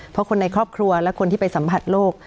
เพราะคนในครอบครัวและคนที่ไปสัมผัสโรค